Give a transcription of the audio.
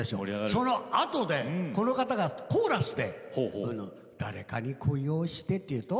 そのあとで、この方がコーラスで「誰かに恋をして」って言うと。